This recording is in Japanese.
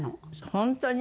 本当に？